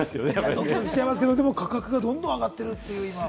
ドキドキしちゃいますけど、価格がどんどん上がってるという。